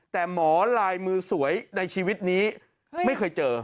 แต่หมอลายมือสวยในชีวิตนี้ไม่เคยเจอ